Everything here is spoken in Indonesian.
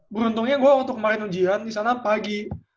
beruntungnya gue waktu kemarin ujian di sana pagi